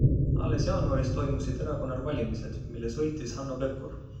Alles jaanuaris toimusid erakonnal valimised, mille võitis Hanno Pevkur.